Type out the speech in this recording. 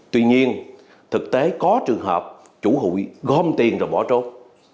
tuy nhiên thực tế có trường hợp chủ hụi gom tiền rồi bỏ trốn